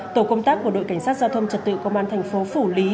tổ công tác của đội cảnh sát giao thông trật tự công an thành phố phủ lý